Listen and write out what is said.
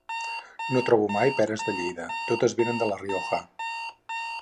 No trobo mai peres de Lleida, totes venen de La Rioja.